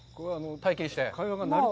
体験して。